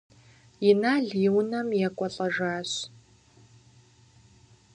Инал и унэм екӏуэлӏэжащ.